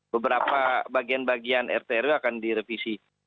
beberapa bagian bagian rt rw akan direvisi